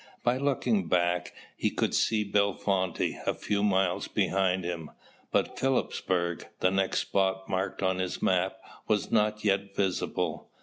By looking back he could see Bellefonte a few miles behind him, but Philipsburg, the next spot marked on his map, was not yet visible.